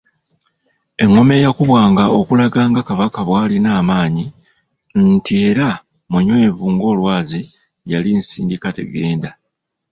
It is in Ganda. Engoma eyakubwanga okulaga nga Kabaka bw’alina amaanyi nti era munywevu ng’olwazi yali Nsindikatagenda.]